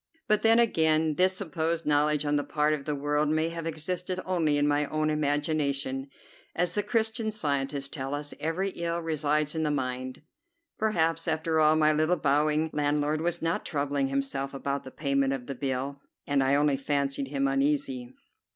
But then, again, this supposed knowledge on the part of the world may have existed only in my own imagination, as the Christian Scientists tell us every ill resides in the mind. Perhaps, after all, my little bowing landlord was not troubling himself about the payment of the bill, and I only fancied him uneasy.